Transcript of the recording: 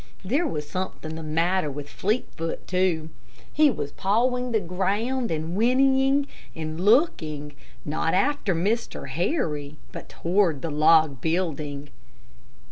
There was something the matter with Fleetfoot, too. He was pawing the ground and whinnying, and looking, not after Mr. Harry, but toward the log building.